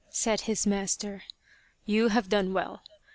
said his master. " You have done well.